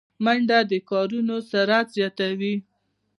منډه د کارونو سرعت زیاتوي